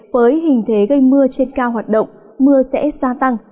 với hình thế gây mưa trên cao hoạt động mưa sẽ gia tăng